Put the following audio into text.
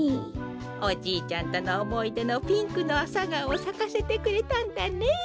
おじいちゃんとのおもいでのピンクのアサガオをさかせてくれたんだね。